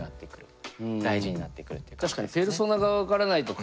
確かに。